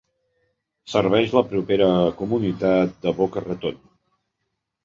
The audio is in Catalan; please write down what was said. Serveix la propera comunitat de Boca Raton.